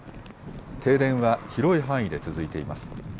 停電は広い範囲で続いています。